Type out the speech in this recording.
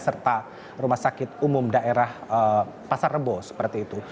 serta rumah sakit umum daerah pasar rebo seperti itu